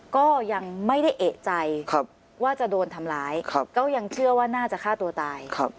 ก็ยังไม่ได้เอกใจว่าจะโดนทำร้ายก็ยังเชื่อว่าน่าจะฆ่าตัวตาย